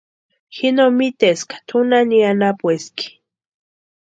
Ji no miteska tʼu nani anapueski.